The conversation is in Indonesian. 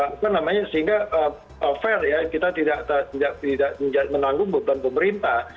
apa namanya sehingga fair ya kita tidak menanggung beban pemerintah